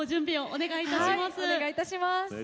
お願いいたします。